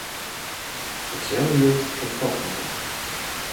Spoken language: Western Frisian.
Itselde jildt foar stopkontakten.